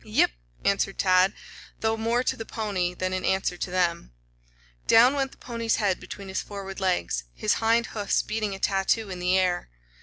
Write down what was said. "Yip!" answered Tad, though more to the pony than in answer to them. Down went the pony's head between his forward legs, his hind hoofs beating a tattoo in the air.